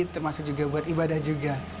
termasuk juga buat ibadah juga